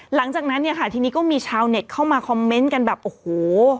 หลังจากนั้นเนี่ยค่ะทีนี้ก็มีชาวเน็ตเข้ามาคอมเมนต์กันแบบโอ้โห